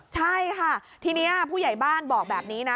ใช่ค่ะทีนี้ผู้ใหญ่บ้านบอกแบบนี้นะ